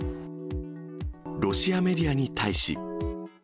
ロシアメディアに対し。